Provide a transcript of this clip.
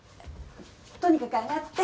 とにかく上がって。